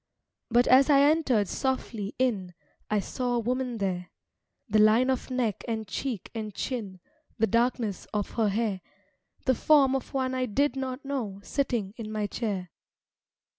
But as I entered softly in I saw a woman there, The line of neck and cheek and chin, The darkness of her hair, The form of one I did not know Sitting in my chair.